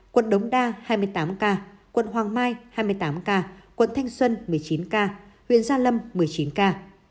quận đống đa hai mươi tám ca quận hoàng mai hai mươi tám ca quận thanh xuân một mươi chín ca huyện gia lâm một mươi chín ca